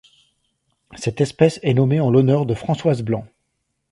Cette espèce est nommée en l'honneur de Françoise Blanc.